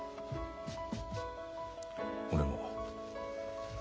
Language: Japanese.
俺も。